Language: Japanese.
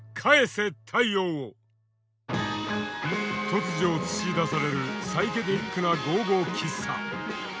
突如映し出されるサイケデリックなゴーゴー喫茶。